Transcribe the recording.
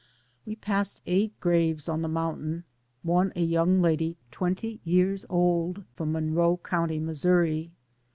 We passed eight graves on the mountain, one a young lady twenty years old from Monroe County, Missouri.